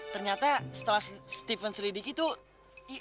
ternyata setelah stephen selidiki tuh